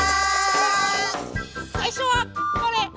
さいしょはこれ。